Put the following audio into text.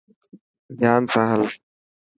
ڌيان سان هل.